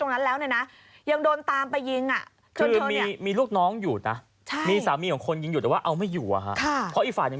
หลังผลไม้ตรงนั้นยังโดนตามไปยิง